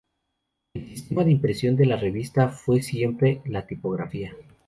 El sistema de impresión de la revista fue siempre la tipografía.